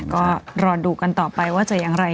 ก็รอดูกันต่อไปว่าจะอย่างไร